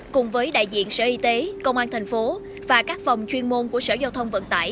cùng với đại diện sở y tế công an thành phố và các phòng chuyên môn của sở giao thông vận tải